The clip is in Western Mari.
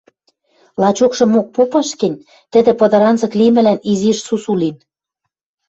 Лачокшымок попаш гӹнь, тӹдӹ пыдыранзык лимӹлӓн изиш сусу лин.